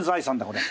これ。